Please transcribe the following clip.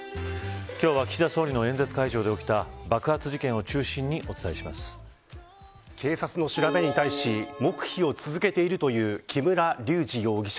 今日は岸田総理の演説会場で起きた警察の調べに対し黙秘を続けているという木村隆二容疑者。